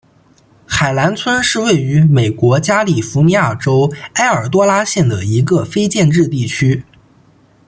海兰村是位于美国加利福尼亚州埃尔多拉多县的一个非建制地区。